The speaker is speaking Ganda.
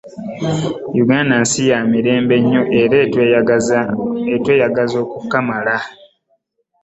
Uganda nsi ya mirembe nnyo era etweyagala okukamala.